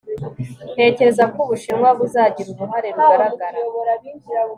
Ntekereza ko Ubushinwa buzagira uruhare rugaragara